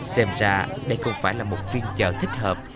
xem ra đây không phải là một phiên chợ thích hợp